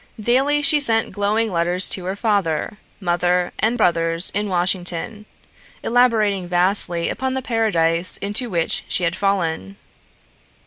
Daily she sent glowing letters to her father, mother and brothers in Washington, elaborating vastly upon the paradise into which she had fallen.